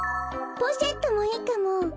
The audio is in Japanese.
ポシェットもいいかも！